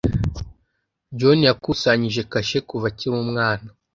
John yakusanyije kashe kuva akiri umwana.